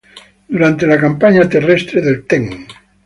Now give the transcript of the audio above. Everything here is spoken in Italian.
Durante la Campagna Terrestre del ten.